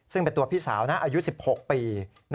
ซึ่งเป็นตัวพี่สาวนะอายุ๑๖ปี